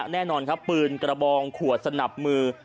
แน่นอนครับปืนกระบองขวดสนับมือ